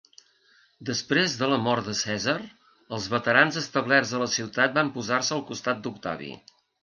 Després de la mort de César, els veterans establerts a la ciutat van posar-se al costat d'Octavi.